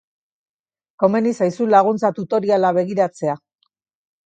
Komeni zaizu laguntza tutoriala begiratzea.